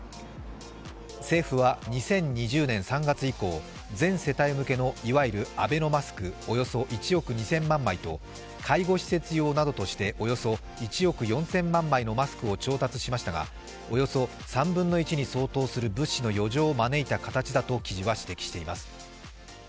政府は２０２０年３月以降、全世帯向けのいわゆるアベノマスクおよそ１億２０００万枚と介護施設用などとしておよそ１億４０００万枚のマスクを調達しましたがおよそ３分の１に及ぶ物資の余剰を招いた形だと記事は指摘しています。